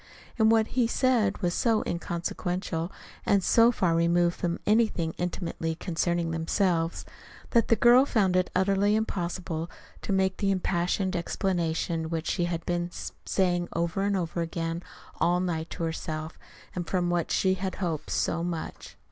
And what he said was so inconsequential and so far removed from anything intimately concerning themselves, that the girl found it utterly impossible to make the impassioned explanation which she had been saying over and over again all night to herself, and from which she had hoped so much.